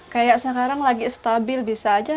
kayak sekarang lagi stabil bisa aja